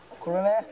これね」